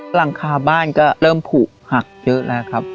หลังคาบ้านก็เริ่มผูกหักเยอะแล้วครับ